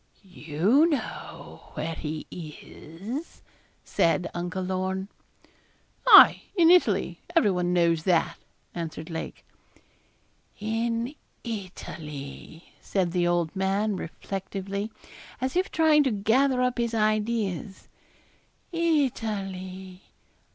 'You know where he is,' said Uncle Lorne. 'Aye, in Italy; everyone knows that,' answered Lake. 'In Italy,' said the old man, reflectively, as if trying to gather up his ideas, 'Italy.